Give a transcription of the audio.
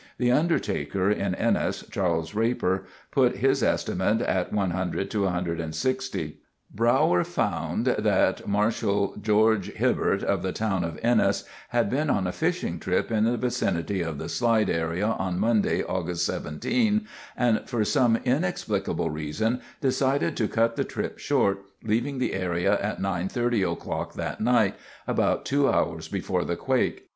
The undertaker in Ennis, Charles Raper, put his estimate at 100 to 160. Brauer found that Marshal George Hibert of the town of Ennis had been on a fishing trip in the vicinity of the slide area on Monday, August 17, and for some inexplicable reason decided to cut the trip short, leaving the area at 9:30 o'clock that night, about two hours before the quake.